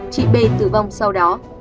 chị b tử vong sau đó